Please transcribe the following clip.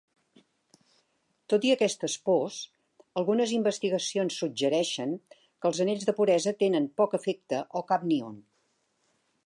Tot i aquestes pors, algunes investigacions suggereixen que els anells de puresa tenen poc efecte o cap ni un.